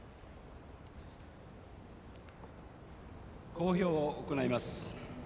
講評を行います。